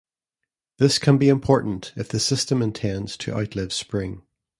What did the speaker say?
This can be important if the system intends to outlive spring.